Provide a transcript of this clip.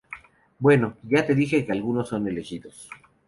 bueno, ya te dije que algunos son elegidos